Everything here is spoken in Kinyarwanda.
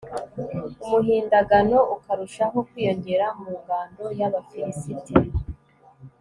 umuhindagano ukarushaho kwiyongera mu ngando y'abafilisiti